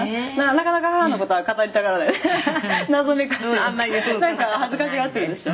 「なかなか母の事は語りたがらない」「謎めかしてるなんか恥ずかしがってるでしょ？」